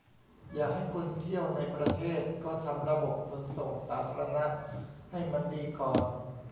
อยากให้คนเที่ยวในประเทศก็ทำระบบขนส่งสาธารณะให้มันดีก่อน